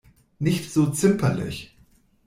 Nicht so zimperlich!